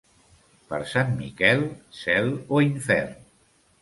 Per Sant Miquel, cel o infern.